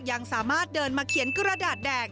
ยังสามารถเดินมาเขียนกระดาษแดง